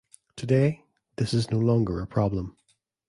Today, this is no longer a problem.